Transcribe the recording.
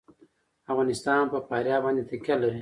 افغانستان په فاریاب باندې تکیه لري.